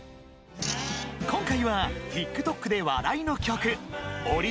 ［今回はＴｉｋＴｏｋで話題の曲］